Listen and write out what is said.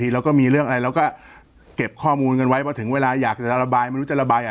เราก็มีเรื่องอะไรเราก็เก็บข้อมูลกันไว้ว่าถึงเวลาอยากจะระบายไม่รู้จะระบาย